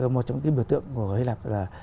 một trong những biểu tượng của hy lạp là